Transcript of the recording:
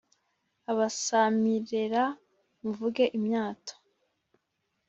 abasamirera muvuge imyato